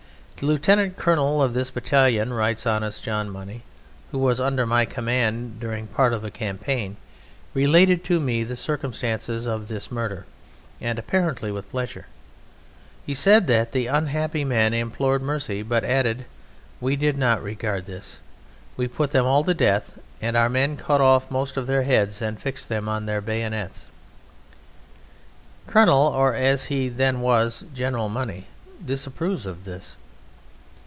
"The lieutenant colonel of this battalion," writes honest John Money, "who was under my command during part of the campaign, related to me the circumstances of this murder, and apparently with pleasure. He said: 'That the unhappy men implored mercy, but,' added he, 'we did not regard this. We put them all to death, and our men cut off most of their heads and fixed them on their bayonets.'" Colonel or, as he then was, General Money disapproves of this.